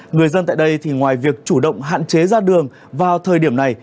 người dân tại đây thì ngoài việc chủ động hạn chế ra đường vào thời điểm này